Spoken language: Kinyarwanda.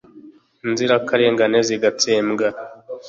Inzirakarengane zigatsembwa